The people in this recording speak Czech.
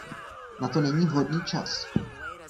Na to není vhodný čas.